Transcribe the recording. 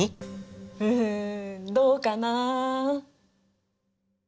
ふふんどうかな。